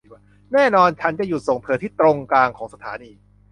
แน่นอน ฉันจะหยุดส่งเธอที่ตรงกลางของสถานี